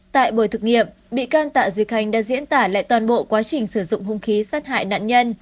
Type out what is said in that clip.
tại buổi thực nghiệm bị can tạ duy hành đã diễn tả lại toàn bộ quá trình sử dụng hung khí sát hại nạn nhân